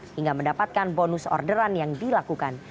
hingga mendapatkan bonus orderan yang dilakukan